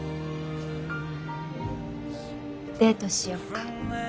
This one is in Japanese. デートしようか。